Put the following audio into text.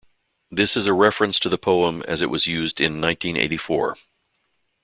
This is a reference to the poem as it was used in "Nineteen Eighty-Four".